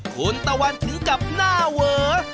คุณตะวันถึงกับหน้าเวอ